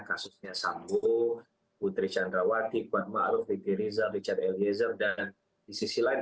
kasusnya sambo putri chandrawati pak ma'ruf richard eliezer dan di sisi lain